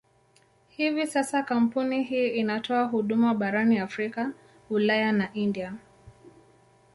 Hivi sasa kampuni hii inatoa huduma barani Afrika, Ulaya na India.